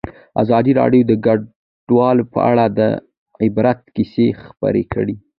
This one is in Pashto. ازادي راډیو د کډوال په اړه د عبرت کیسې خبر کړي.